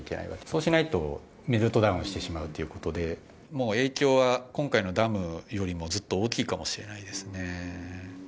そうしないとメルトダウンしてしまうということで、もう影響は今回のダムよりもずっと大きいかもしれないですね。